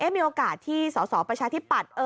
มีโอกาสที่สสปชธิปัฏ